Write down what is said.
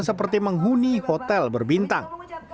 seperti menghuni hotel berbintang